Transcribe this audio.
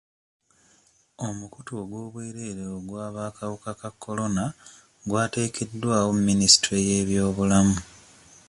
Omukutu ogw'obwereere ogw'abakawuka ka kolona gwateekeddwawo Minisitule y'ebyobulamu.